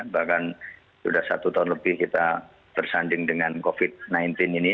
bahkan sudah satu tahun lebih kita bersanding dengan covid sembilan belas ini